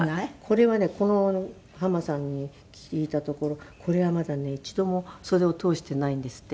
これはね浜さんに聞いたところこれはまだね一度も袖を通していないんですって。